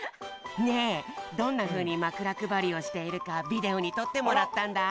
ねえどんなふうにまくらくばりをしているかビデオにとってもらったんだ。